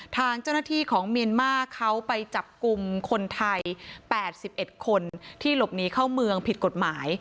ทางเจ้าหน้าที่ของเมียนมาร์เขาไปจับกลุ่มคนไทย๘๑คนที่หลบหนีเข้าเมืองผิดกฎหมาย